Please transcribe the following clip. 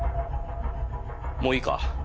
もういいか？